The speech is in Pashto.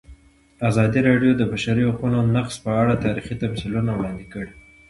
ازادي راډیو د د بشري حقونو نقض په اړه تاریخي تمثیلونه وړاندې کړي.